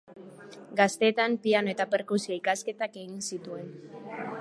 Gaztetan piano- eta perkusio-ikasketak egin zituen.